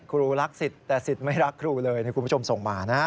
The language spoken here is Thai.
ครูรักสิทธิ์แต่สิทธิ์ไม่รักครูเลยคุณผู้ชมส่งมานะ